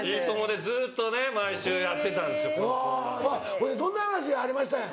ほいでどんな話がありましたん？